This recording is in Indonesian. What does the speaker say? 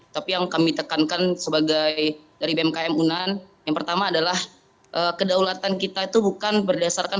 tapi yang kami tekankan sebagai dari bmkm unan yang pertama adalah kedaulatan kita itu bukan berdasarkan